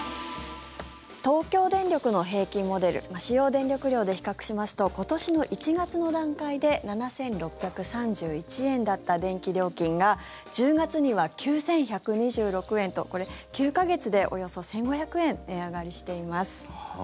東京電力の平均モデル使用電力量で比較しますと今年の１月の段階で７６３１円だった電気料金が１０月には９１２６円とこれ、９か月でおよそ１５００円値上がりしています。